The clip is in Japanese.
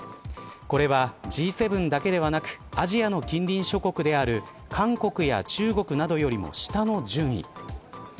これは、Ｇ７だけではなくアジアの近隣諸国である韓国や中国などよりも下の順位。